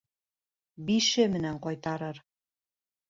Бише менән ҡайтарыр.